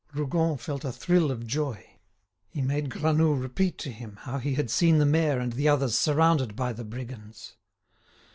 Rougon felt a thrill of joy. He made Granoux repeat to him how he had seen the mayor and the others surrounded by the "brigands."